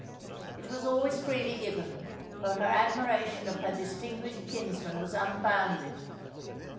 It was always freely given, for her admiration of her distinguished kinsman was unbounded.